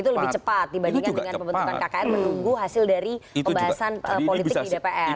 itu lebih cepat dibandingkan dengan pembentukan kkr menunggu hasil dari pembahasan politik di dpr